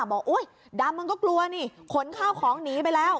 โอ๊ยดำมันก็กลัวนี่ขนข้าวของหนีไปแล้ว